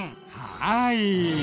はい！